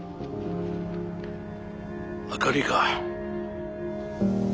あかりか？